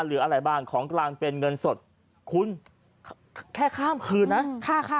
หรืออะไรบ้างของกลางเป็นเงินสดคุณแค่ข้ามคืนนะค่ะ